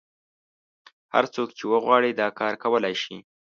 هر څوک چې وغواړي دا کار کولای شي.